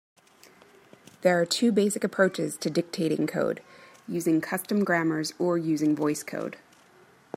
There are two basic approaches to dictating code: using custom grammars or using VoiceCode.